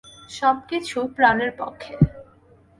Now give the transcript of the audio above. সবকিছু প্রাণের পক্ষে!